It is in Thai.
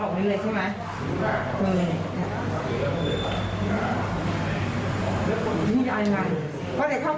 พ่อเด็กเข้าไปข้างในครับ